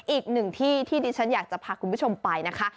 อีกหนึ่งที่ที่ดิฉันอยากจะพาคุณผู้ชมไปนะคะ